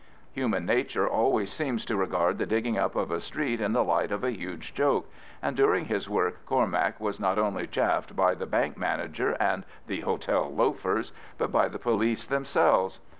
Human nature always seems to regard the digging up of a street in the light of a huge joke, and during his work Cormac was not only chaffed by the bank manager and the hotel loafers, but by the police themselves.